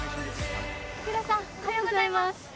イクラさんおはようございます。